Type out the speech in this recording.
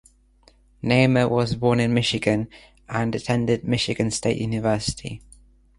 Neeme was born in Michigan and attended Michigan State University.